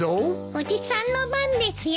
おじさんの番ですよ。